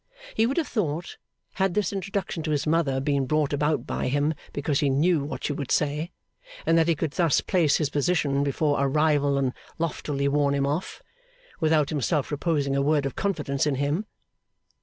He would have thought, had this introduction to his mother been brought about by him because he knew what she would say, and that he could thus place his position before a rival and loftily warn him off, without himself reposing a word of confidence in him?